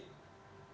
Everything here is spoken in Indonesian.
tapi bukan untuk hukum